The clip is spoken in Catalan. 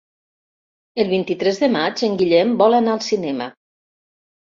El vint-i-tres de maig en Guillem vol anar al cinema.